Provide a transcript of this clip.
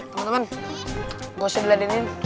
teman teman gue sudah diladainin